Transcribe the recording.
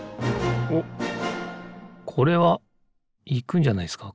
おっこれはいくんじゃないですか